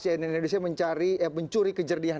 cnn indonesia mencuri kejadian